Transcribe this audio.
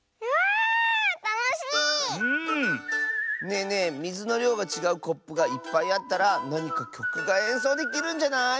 ねえねえみずのりょうがちがうコップがいっぱいあったらなにかきょくがえんそうできるんじゃない？